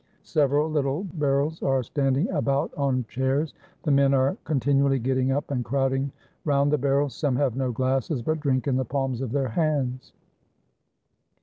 Several lit tle barrels are standing about on chairs; the men are con tinually getting up and crowding round the barrels, some have no glasses, but drink in the palms of their hands.